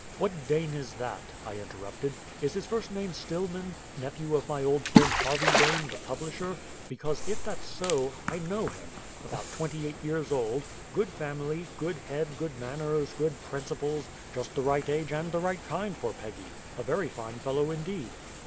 "What Dane is that?" I interrupted. "Is his first name Stillman nephew of my old friend Harvey Dane, the publisher? Because, if that's so, I know him; about twenty eight years old; good family, good head, good manners, good principles; just the right age and the right kind for Peggy a very fine fellow indeed."